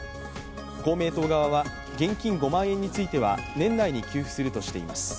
公明党側は現金５万円については年内に給付するとしています。